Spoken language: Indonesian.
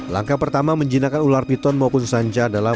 langkah pertama menjinakkan ular piton maupun sanja adalah